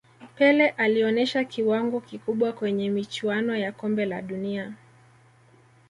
pele alionesha kiwango kikubwa kwenye michuano ya kombe la dunia